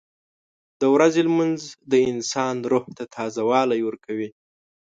• د ورځې لمونځ د انسان روح ته تازهوالی ورکوي.